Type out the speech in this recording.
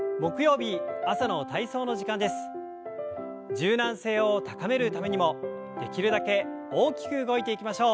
柔軟性を高めるためにもできるだけ大きく動いていきましょう。